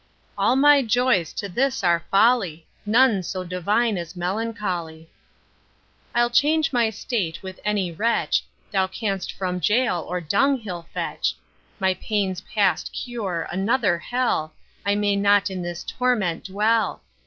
All my joys to this are folly, None so divine as melancholy. I'll change my state with any wretch, Thou canst from gaol or dunghill fetch; My pain's past cure, another hell, I may not in this torment dwell!